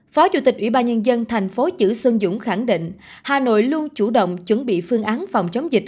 phó chủ tịch ủy ban nhân dân thành phố chữ xuân dũng khẳng định hà nội luôn chủ động chuẩn bị phương án phòng chống dịch